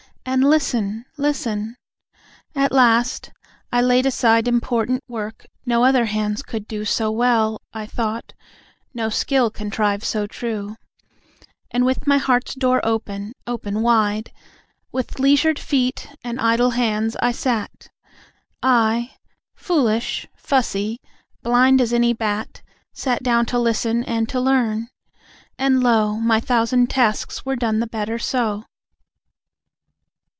And listen listen!) At last, I laid aside Important work, no other hands could do So well (I thought), no skill contrive so true. And with my heart's door open open wide With leisured feet, and idle hands, I sat. I, foolish, fussy, blind as any bat, Sat down to listen, and to learn. And lo, My thousand tasks were done the better so.